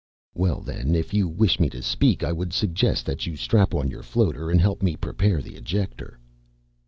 "Well, then, if you wish me to speak, I would suggest that you strap on your Floater and help me prepare the Ejector."